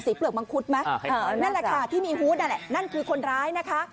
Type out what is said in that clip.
สีเปลือกมังคุตมั้ยอ่านั่นแหละค่ะที่มีนั่นคือคนร้ายนะคะ